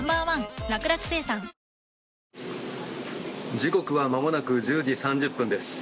時刻はまもなく１０時３０分です。